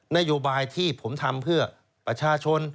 นโยบายที่ผมทำเพื่อประชาชน